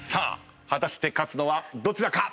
果たして勝つのはどちらか。